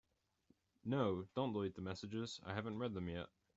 No, don’t delete the messages, I haven’t read them yet.